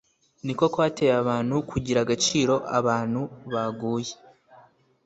ni ko kwateyabantu kugiragaciro Abantu baguye